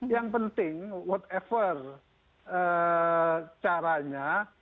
yang penting whatever caranya